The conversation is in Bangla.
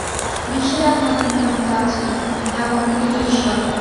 বিশ্বের একমাত্র নিয়ন্তা আছেন এবং তিনি ঈশ্বর।